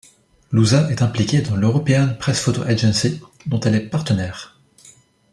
Lusa est impliquée dans l'European Pressphoto Agency, dont elle est partenaire.